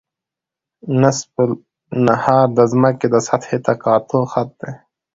نصف النهار د ځمکې د سطحې د تقاطع خط دی